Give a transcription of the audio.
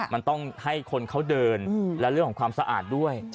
มันต้องให้คนเขาเดินและเรื่องของความสะอาดด้วย